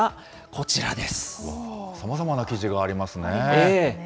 さまざまな記事がありますね。